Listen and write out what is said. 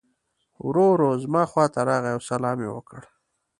ورو ورو زما خواته راغی او سلام یې وکړ.